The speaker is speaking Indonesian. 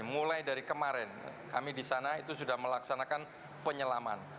mulai dari kemarin kami di sana itu sudah melaksanakan penyelaman